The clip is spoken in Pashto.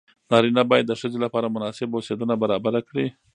نارینه باید د ښځې لپاره مناسب اوسېدنه برابره کړي.